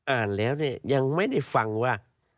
อ่านแล้วเนี่ยยังไม่ได้ฟังว่า